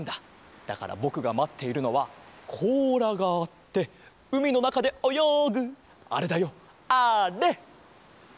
だからぼくがまっているのはこうらがあってうみのなかでおよぐあれだよあれ！